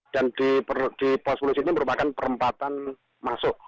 dan di pos polisi ini merupakan perempatan masuk